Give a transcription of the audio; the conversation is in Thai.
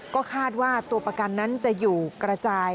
ก็คาดว่าตัวประกันนั้นจะอยู่กระจาย